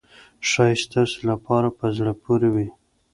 ښایي ستاسو لپاره په زړه پورې وي.